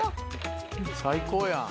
最高やん。